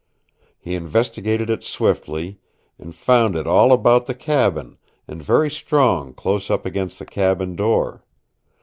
He investigated it swiftly, and found it all about the cabin, and very strong close up against the cabin door.